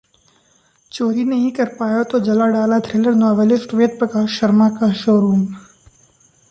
चोरी नहीं कर पाया तो जला डाला थ्रिलर नॉवेलिस्ट वेद प्रकाश शर्मा का शोरूम